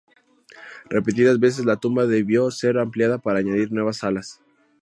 Repetidas veces la tumba debió ser ampliada para añadir nuevas salas.